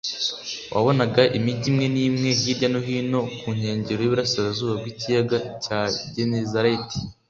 Wabonaga imijyi imwe n'imwe hirya no hino ku nkengero y'iburasirazuba bw'ikiyaga cya Genezareti.